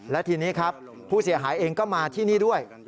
และทีนี้ครับผู้เสียหายเองก็มาที่นี่ด้วย